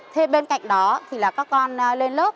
thế bên cạnh đó thì là các con lên lớp